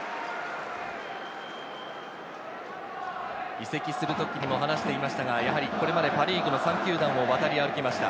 移籍するときにも話していましたが、やはりこれまでパ・リーグの３球団を渡り歩きました。